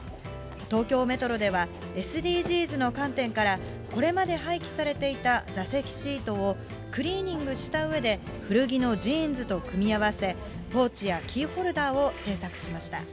東京メトロでは、ＳＤＧｓの観点から、これまで廃棄されていた座席シートをクリーニングしたうえで、古着のジーンズと組み合わせ、ポーチやキーホルダーを製作しました。